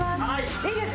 いいですか？